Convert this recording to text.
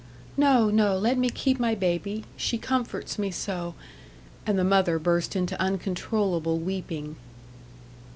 "No, no! Let me keep my baby she comforts me so." And the mother burst into uncontrollable weeping.